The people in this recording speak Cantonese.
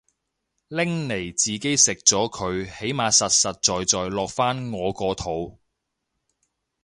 拎嚟自己食咗佢起碼實實在在落返我個肚